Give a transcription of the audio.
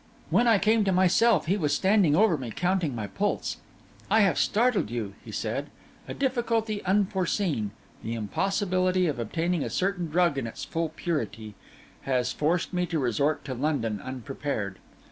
When I came to myself he was standing over me, counting my pulse. 'I have startled you,' he said. 'A difficulty unforeseen—the impossibility of obtaining a certain drug in its full purity—has forced me to resort to London unprepared.